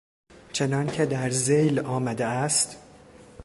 چنانکه در ذیل آمده است.